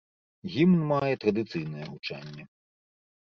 Гімн мае традыцыйнае гучанне.